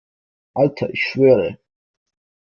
Alter, ich schwöre!